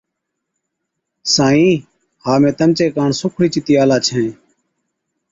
سائِين، ها مين تمچي ڪاڻ سُوکڙِي چتِي آلا ڇَين۔